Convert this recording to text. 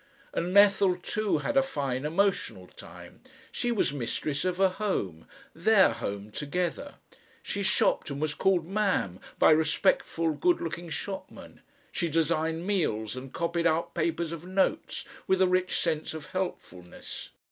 And Ethel too had a fine emotional time. She was mistress of a home their home together. She shopped and was called "Ma'am" by respectful, good looking shopmen; she designed meals and copied out papers of notes with a rich sense of helpfulness.